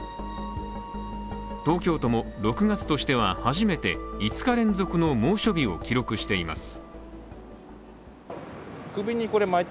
東京都も６月としては初めて５日連続の猛暑日を記録しています。